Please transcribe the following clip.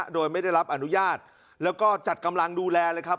พาปืนไปในทางสาธารณะโดยไม่ได้รับอนุญาตแล้วก็จัดกำลังดูแลเลยครับ